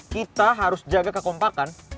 kita harus jaga kekompakan